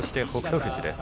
富士です。